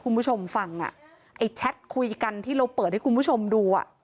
คุณผู้ชมฟังอ่ะไอ้แชทคุยกันที่เราเปิดให้คุณผู้ชมดูอ่ะ